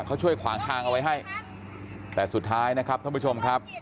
เขาช่วยขวางทางเอาไว้ให้แต่สุดท้ายนะครับท่านผู้ชมครับ